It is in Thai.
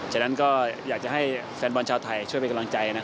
ฉะนั้นก็อยากจะให้แฟนบอลชาวไทยช่วยเป็นกำลังใจ